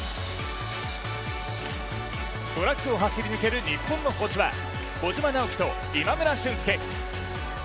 トラックを走り抜ける日本の星は兒島直樹と今村駿介。